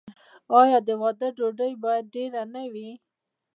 آیا د واده ډوډۍ باید ډیره نه وي؟